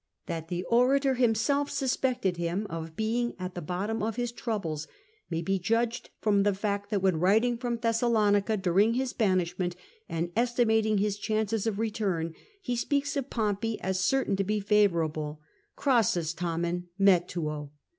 That the orator himself suspected him of being at the bottom of his troubles may be judged from the fact that when writing from Thessalonica during his banishment, and estimating his chances of return, he speaks of Pompey as certain to be favourable — ""Crassum tamen metuo."